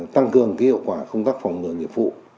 tăng cường hiệu quả công tác phòng ngừa nghiệp vụ